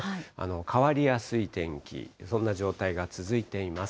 変わりやすい天気、そんな状態が続いています。